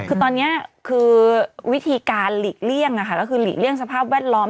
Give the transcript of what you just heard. คือตอนนี้คือวิธีการหลีกเลี่ยงก็คือหลีกเลี่ยงสภาพแวดล้อม